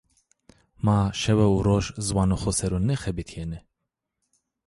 Ma şewe û roj ziwanê xo ser o nêxebitîyenê.